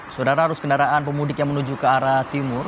saudara arus kendaraan pemudik yang menuju ke arah timur